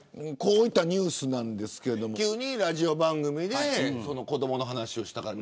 こういうニュースなんですが急にラジオ番組で子どもの話をした。